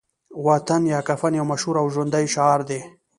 وطن یا کفن يو مشهور او ژوندی شعار دی